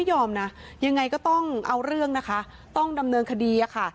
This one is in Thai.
ยอมนะยังไงก็ต้องเอาเรื่องนะคะต้องดำเนินคดีอะค่ะ